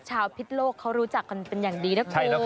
พิษโลกเขารู้จักกันเป็นอย่างดีนะคุณ